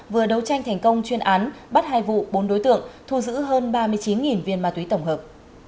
vừa đấu tranh thành công chuyên án bắt hai vụ bốn đối tượng thu giữ hơn ba mươi chín viên ma túy tổng hợp